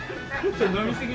ちょっと飲みすぎ。